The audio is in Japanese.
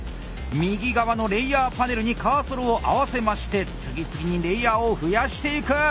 右側のレイヤーパネルにカーソルを合わせまして次々にレイヤーを増やしていく！